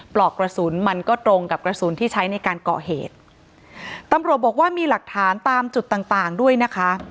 ปลอกกระสุนมันก็ตรงกับกระสุนที่ใช้ในการก่อเหตุตำรวจบอกว่ามีหลักฐานตามจุดต่างต่างด้วยนะคะ